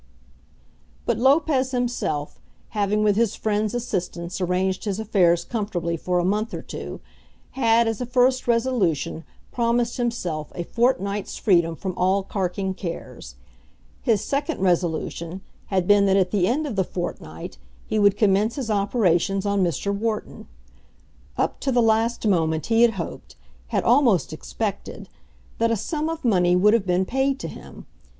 But Lopez himself, having with his friend's assistance arranged his affairs comfortably for a month or two, had, as a first resolution, promised himself a fortnight's freedom from all carking cares. His second resolution had been that at the end of the fortnight he would commence his operations on Mr. Wharton. Up to the last moment he had hoped, had almost expected, that a sum of money would have been paid to him.